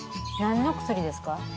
何の薬ですか？